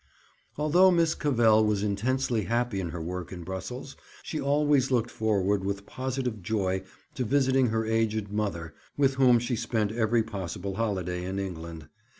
Although Miss Cavell was intensely happy in her work in Brussels, she always looked forward with positive joy to visiting her aged mother, with whom she spent every possible holiday in England.